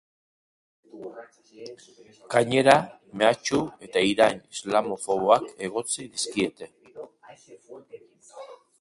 Gainera, mehatxu eta irain islamofoboak egotzi dizkiete.